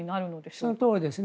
そのとおりですね。